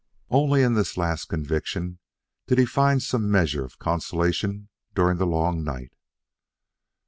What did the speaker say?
Only in this last conviction did he find some measure of consolation during the long night.